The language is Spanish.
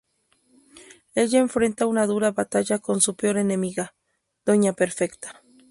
Ella enfrenta una dura batalla con su peor enemiga: doña Perfecta.